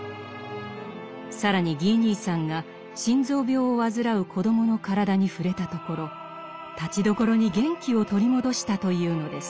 更にギー兄さんが心臓病を患う子どもの体に触れたところたちどころに元気を取り戻したというのです。